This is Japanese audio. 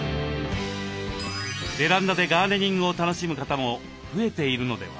ベランダでガーデニングを楽しむ方も増えているのでは？